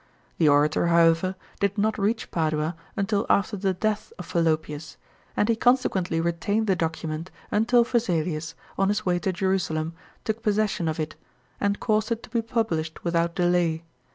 The orator, however, did not reach Padua until after the death of Fallopius, and he consequently retained the document until Vesalius, on his way to Jerusalem, took possession of it, and caused it to be published without delay.